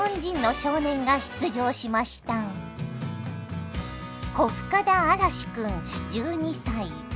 小深田嵐君１２歳。